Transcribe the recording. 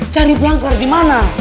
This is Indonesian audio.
cari berangkar dimana